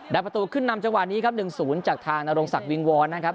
และประตูขึ้นนำจังหวะนี้ครับหนึ่งศูนย์จากทางนโรงศักดิ์วิงวอลนะครับ